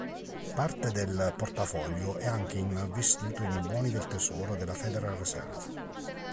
Parte del portafoglio è anche investito in buoni del tesoro della Federal Reserve.